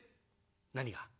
「何が？」。